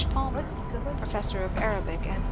Palmer (professor of Arabic and Per sian).